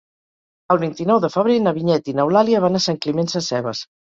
El vint-i-nou de febrer na Vinyet i n'Eulàlia van a Sant Climent Sescebes.